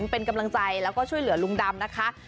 เป็นกำลังใจแล้วก็ช่วยเหลือลุงดำนะคะ